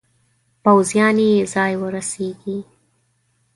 پوځیان یې ځای ورسیږي.